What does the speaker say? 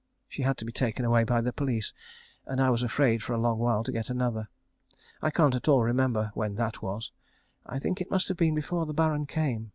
She had to be taken away by the police and I was afraid for a long while to get another. I can't at all remember when that was. I think it must have been before the Baron came.